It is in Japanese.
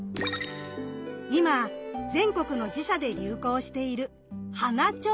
今全国の寺社で流行している「花手水」。